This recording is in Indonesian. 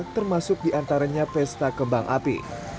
termasuk diantaranya pesta kembang api